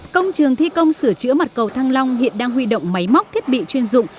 công trường thi công sửa chữa mặt cầu thăng long hiện đang huy động máy móc thiết bị chuyên dụng